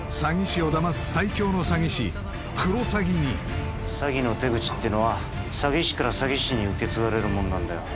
詐欺師をダマすに詐欺の手口っていうのは詐欺師から詐欺師に受け継がれるもんなんだよ